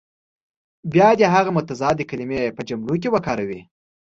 بیا دې هغه متضادې کلمې په جملو کې وکاروي.